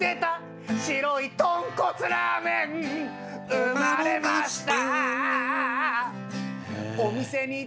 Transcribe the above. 「生まれました」